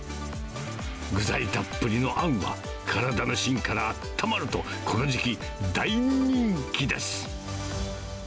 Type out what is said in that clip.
具材たっぷりのあんは、体のしんからあったまるとこの時期、大人気です。